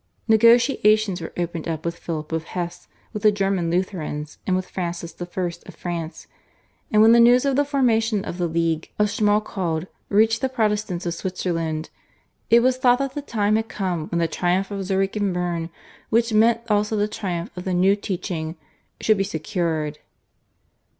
Negotiations were opened up with Philip of Hesse, with the German Lutherans, and with Francis I. of France, and when the news of the formation of the League of Schmalkald reached the Protestants of Switzerland, it was thought that the time had come when the triumph of Zurich and Berne, which meant also the triumph of the new teaching, should be secured.